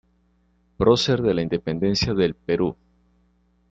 Prócer de la independencia del Perú.